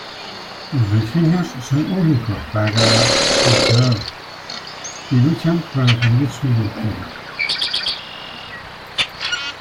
Los diseños son únicos para cada a luchador y luchan por defender su identidad.